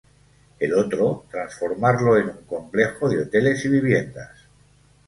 El otro, transformarlo en un complejo de hoteles y viviendas.